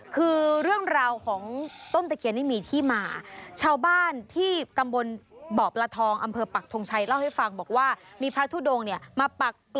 คือเรื่องราวของต้นตะเคียนนี่มีที่มา